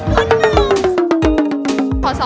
กรุงเทพค่ะ